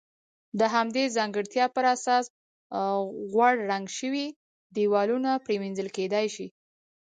د همدغې ځانګړتیا پر اساس غوړ رنګ شوي دېوالونه پرېمنځل کېدای شي.